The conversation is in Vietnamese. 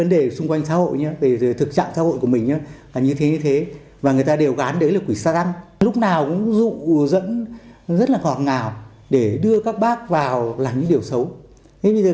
lúc nào cũng dụ dẫn rất là ngọt ngào để đưa các bác vào làm những điều xấu